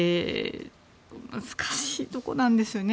難しいところなんですよね。